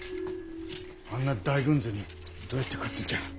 あんな大軍勢にどうやって勝つんじゃ。